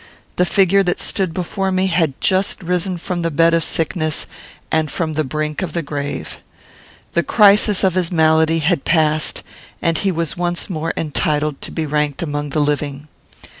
The figure that stood before me had just risen from the bed of sickness, and from the brink of the grave. The crisis of his malady had passed, and he was once more entitled to be ranked among the living.